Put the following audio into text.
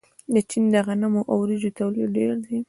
د چین د غنمو او وریجو تولید ډیر دی.